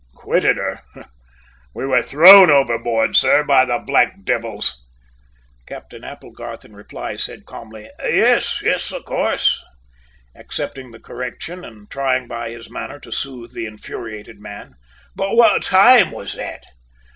"Quitted her? We were thrown overboard, sir, by the black devils!" Captain Applegarth in reply said calmly, "Yes, yes, of course," accepting the correction and trying by his manner to soothe the infuriated man. "But what time was that?"